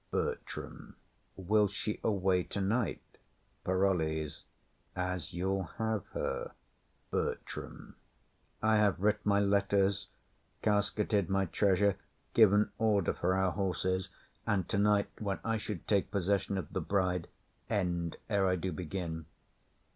BERTRAM. Will she away tonight? PAROLLES. As you'll have her. BERTRAM. I have writ my letters, casketed my treasure, Given order for our horses; and tonight, When I should take possession of the bride, End ere I do begin.